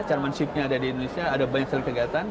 chairmanship nya ada di indonesia ada banyak sekali kegiatan